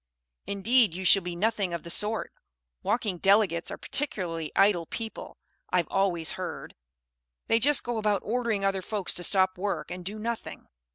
"Indeed, you shall be nothing of the sort. Walking Delegates are particularly idle people, I've always heard. They just go about ordering other folks to stop work and do nothing."